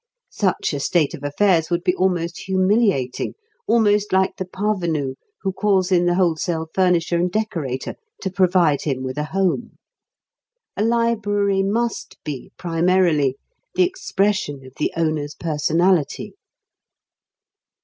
Such a state of affairs would be almost humiliating, almost like the parvenu who calls in the wholesale furnisher and decorator to provide him with a home. A library must be, primarily, the expression of the owner's personality.